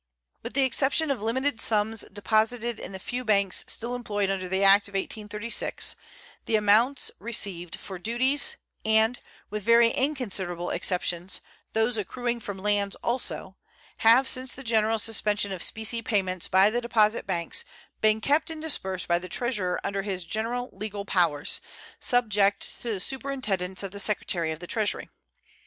With the exception of limited sums deposited in the few banks still employed under the act of 1836, the amounts received for duties, and, with very inconsiderable exceptions, those accruing from lands also, have since the general suspension of specie payments by the deposit banks been kept and disbursed by the Treasurer under his general legal powers, subject to the superintendence of the Secretary of the Treasury.